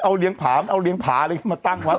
เอาเลี้ยงผาอะไรมาตั้งวะ